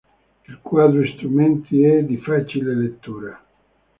Il quadro strumenti è di facile lettura.